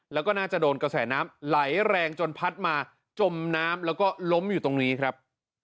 แล้วก็น่าจะโดนกระแสน้ำไหลแรงจนพัดมาจมน้ำแล้วก็ล้มอยู่ตรงนี้ครับ